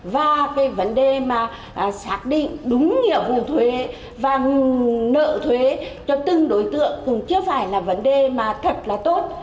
và cái vấn đề mà xác định đúng nghĩa thuế và nợ thuế cho từng đối tượng cũng chưa phải là vấn đề mà thật là tốt